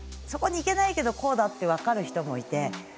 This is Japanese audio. そこにいけないけど、こうだって分かる人もいて。